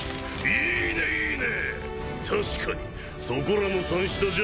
いいねいいね！